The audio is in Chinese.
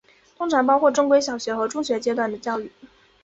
通常包括正规的小学和中学阶段的教育。